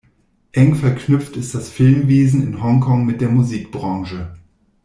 Eng verknüpft ist das Filmwesen in Hongkong mit der Musikbranche.